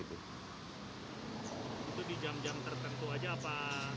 untuk di jam jam tertentu aja apa